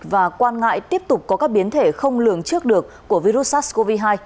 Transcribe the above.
và quan ngại tiếp tục có các biến thể không lường trước được của virus sars cov hai